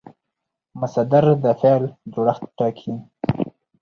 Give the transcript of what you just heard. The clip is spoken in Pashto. مصدر د فعل جوړښت ټاکي.